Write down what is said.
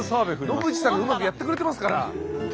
野口さんがうまくやってくれてますから。